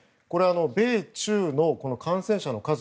米中の感染者の数